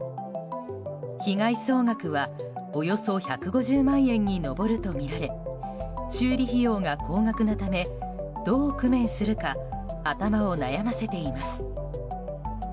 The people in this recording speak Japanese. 被害総額はおよそ１５０万円に上るとみられ修理費用が高額なためどう工面するか頭を悩ませています。